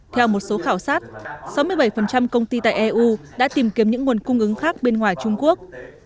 theo một số khảo sát sáu mươi bảy công ty tại eu đã tìm kiếm những nguồn cung ứng khác bên ngoài trung quốc